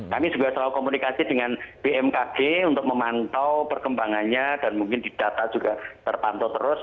kami juga selalu komunikasi dengan bmkg untuk memantau perkembangannya dan mungkin di data juga terpantau terus